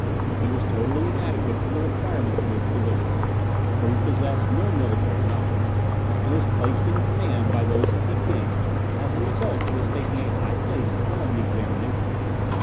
"He was totally inadequate to the requirements of his position; for he possessed no military knowledge, and was placed in command by those at Peking as a result of his taking a high place at one of the examinations.